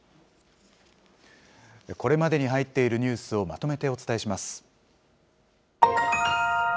これまでに入っているニュースをまとめてお伝えします。